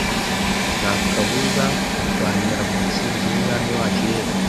nta kabuza turwanira mu nsinzi y’Umwami wacu Yesu